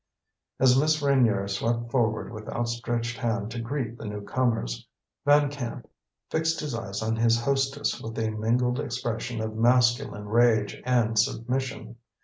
As Miss Reynier swept forward with outstretched hand to greet the new comers, Van Camp fixed his eyes on his hostess with a mingled expression of masculine rage and submission.